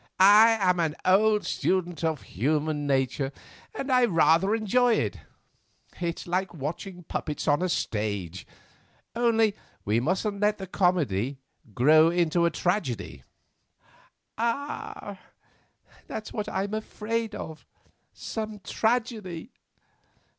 "I am an old student of human nature, and I rather enjoy it; it's like watching the puppets on a stage. Only we mustn't let the comedy grow into a tragedy." "Ah! that's what I am afraid of, some tragedy.